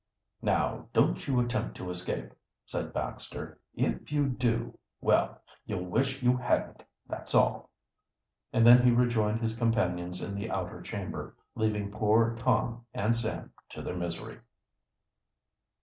"Now, don't you attempt to escape," said Baxter. "If you do well, you'll wish you hadn't, that's all." And then he rejoined his companions in the outer chamber, leaving poor Tom and Sam to their misery.